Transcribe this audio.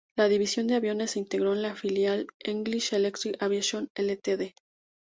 La división de aviones se integró en la filial English Electric Aviation Ltd.